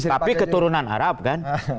tapi keturunan arab kan